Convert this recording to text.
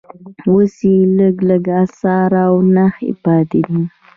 اوس یې لږ لږ اثار او نښې پاتې دي.